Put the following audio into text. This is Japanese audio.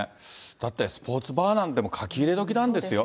だってスポーツバーなんて、もう書き入れ時なんですよ。